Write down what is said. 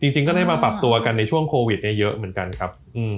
จริงก็ได้มาปรับตัวกันในช่วงโควิดเยอะเหมือนกันครับ